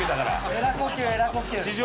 えら呼吸えら呼吸。